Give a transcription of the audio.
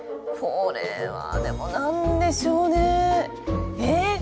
これはでも何でしょうねえっ